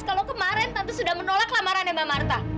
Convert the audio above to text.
kalau kemarin tante sudah menolak lamaran mbak marta